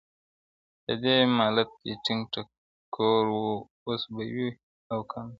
په دې مالت کي ټنګ ټکور وو اوس به وي او کنه،